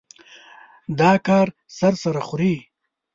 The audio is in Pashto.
دا کار سر سره خوري.